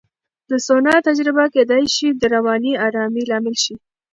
د سونا تجربه کېدای شي د رواني آرامۍ لامل شي.